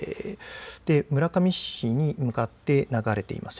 村上市に向かって流れています。